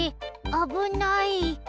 あぶない。